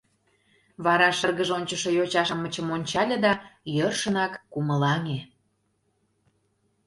Вара шыргыж ончышо йоча-шамычым ончале да йӧршынак кумылаҥе: